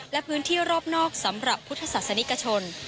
และพื้นที่รอบนอกสำหรับพุทธศาสนิกชน